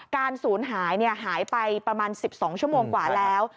การศูนย์หายหายไปประมาณ๑๒ชั่วโมงกว่าแล้ว